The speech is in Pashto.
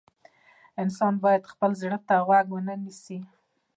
انسان باید خپل زړه ته غوږ ونیسي.